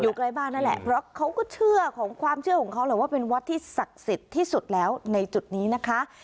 ใกล้บ้านนั่นแหละเพราะเขาก็เชื่อของความเชื่อของเขาแหละว่าเป็นวัดที่ศักดิ์สิทธิ์ที่สุดแล้วในจุดนี้นะคะ